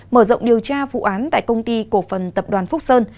mở rộng điều tra vụ án tại công ty cổ phần tập đoàn phúc sơn